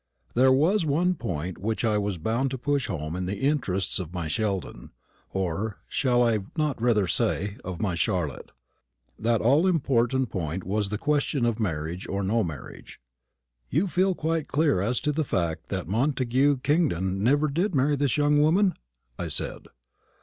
There was one point which I was bound to push home in the interests of my Sheldon, or, shall I not rather say, of my Charlotte? That all important point was the question of marriage or no marriage. "You feel quite clear as to the fact that Montagu Kingdon never did marry this young woman?" I said.